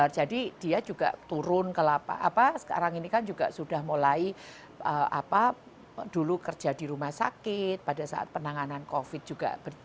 jadi dia juga turun ke apa sekarang ini kan juga sudah mulai dulu kerja di rumah sakit pada saat penanganan covid juga